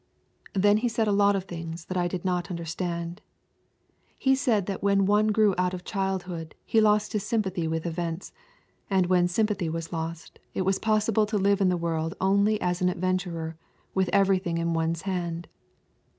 Then he said a lot of things that I did not understand. He said that when one grew out of childhood, he lost his sympathy with events, and when that sympathy was lost, it was possible to live in the world only as an adventurer with everything in one's hand.